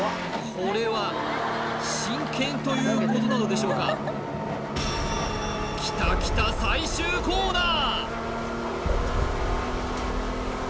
これは真剣ということなのでしょうかきたきた最終コーナー！